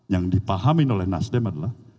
yang dipahamin oleh nasdem adalah